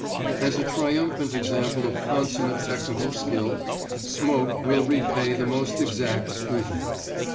As a triumphant example of consummate technical skill, Smoke will repay the most exact scrutiny.